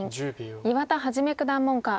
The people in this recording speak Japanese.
岩田一九段門下。